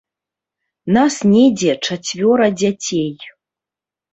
Нас недзе чацвёра дзяцей.